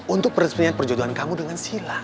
untuk perjanjian perjodohan kamu dengan sila